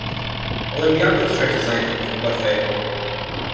Olympiacos tried to sign him, but failed.